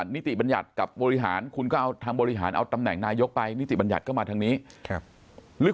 นิติบัญญัติกับบริหารคุณก็เอาทางบริหารเอาตำแหน่งนายกไปนิติบัญญัติก็มาทางนี้หรือ